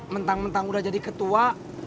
mentang mentang udah jadi ketua